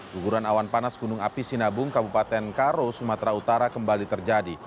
guguran awan panas gunung api sinabung kabupaten karo sumatera utara kembali terjadi